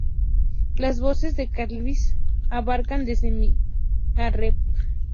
Las voces de Carlisle abarcan desde Mi a Re♯.